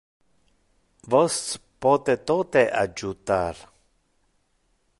Vos pote tote adjutar.